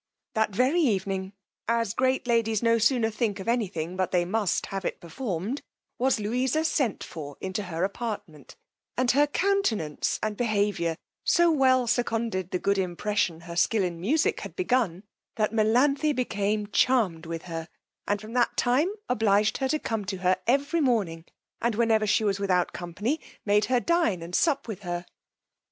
That very evening, as great ladies no sooner think of any thing but they must have it performed, was Louisa sent for into her apartment; and her countenance and behaviour so well seconded the good impression her skill in music had begun, that Melanthe became charm'd with her, and from that time obliged her to come to her every morning; and whenever she was without company, made her dine and sup with her.